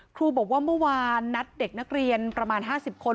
ครูบอกว่าเมื่อวานนัดเด็กนักเรียนประมาณ๕๐คน